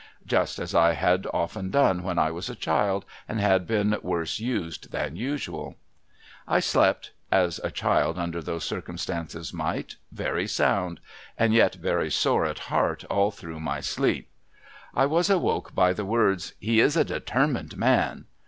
Just as I had often done when I was a child, and had been worse used than usual. I slept (as a child under those circumstances might) very sound, and yet very sore at heart all through my sleep. I was awoke by the words, ' He is a determined man.'